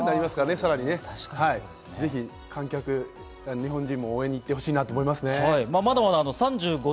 さらに、ぜひ観客、日本人も応援に行ってほしいなと思いますね。